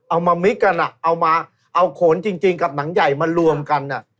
เอามามิกกันเอามาเอาโขนจริงกับหนังใหญ่มารวมกัน